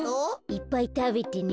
いっぱいたべてね。